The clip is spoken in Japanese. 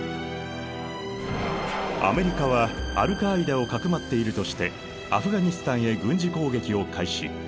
アメリカはアルカーイダをかくまっているとしてアフガニスタンへ軍事攻撃を開始。